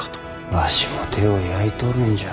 わしも手を焼いとるんじゃ。